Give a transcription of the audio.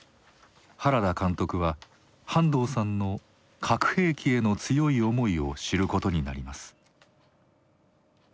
原田監督は半藤さんの「核兵器」への強い思いを知ることになります。